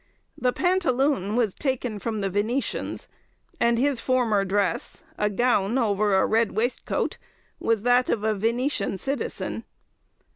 The pantaloon was taken from the Venetians, and his former dress, a gown over a red waistcoat, was that of a Venetian citizen.